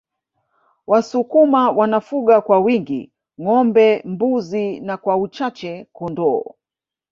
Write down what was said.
Wasukuma wanafuga kwa wingi ngombe mbuzi na kwa uchache kondoo